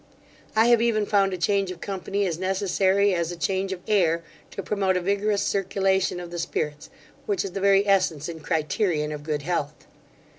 I have even found a change of company as necessary as a change of air, to promote a vigorous circulation of the spirits, which is the very essence and criterion of good health.